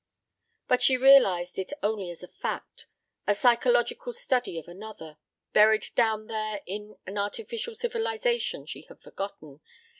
But she realized it only as a fact, ... a psychological study of another ... buried down there in an artificial civilization she had forgotten